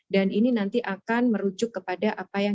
dan ini nanti akan merujuk kepada apa yang